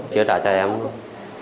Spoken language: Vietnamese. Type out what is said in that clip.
chuyện này anh đã đưa anh ân đến trường